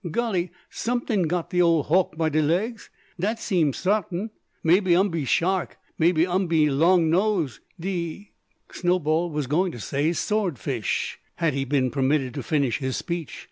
Golly! someting got de ole hawk by de legs, dat seem sartin. Maybe 'um be shark, maybe 'um be long nose de " Snowball was going to say "sword fish," had he been permitted to finish his speech.